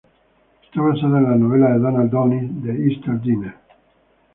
Está basada en la novela de Donald Downes "The Easter Dinner".